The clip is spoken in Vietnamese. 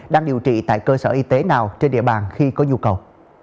đang điều trị tại cơ sở y tế nào trên địa bàn khi có nhu cầu